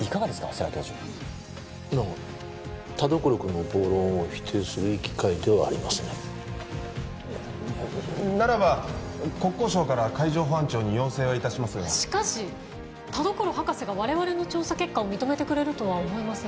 世良教授まあ田所君の暴論を否定するいい機会ではありますねならば国交省から海上保安庁に要請はいたしますがしかし田所博士が我々の調査結果を認めてくれるとは思えません